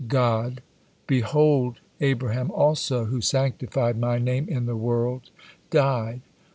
God: "Behold, Abraham also, who sanctified My name in the world, died."